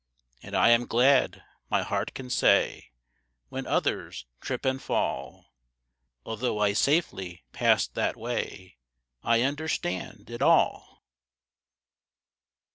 And I am glad my heart can say, When others trip and fall (Although I safely passed that way), "I understand it all."